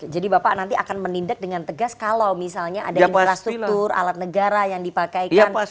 jadi bapak nanti akan menindek dengan tegas kalau misalnya ada infrastruktur alat negara yang dipakaikan